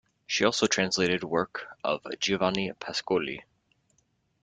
She also translated work of Giovanni Pascoli.